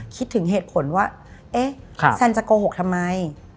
คิดถึงเหตุผลว่าเอ๊ะแซนจะโกหกทำไม